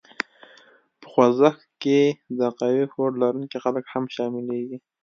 په خوځښت کې د قوي هوډ لرونکي خلک هم شامليږي.